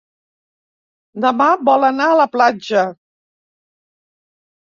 Demà vol anar a la platja.